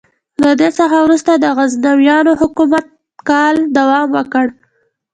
له دې څخه وروسته د غزنویانو حکومت کاله دوام وکړ.